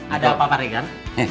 ada apa pak regan